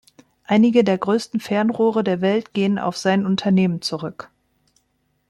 Einige der größten Fernrohre der Welt gehen auf sein Unternehmen zurück.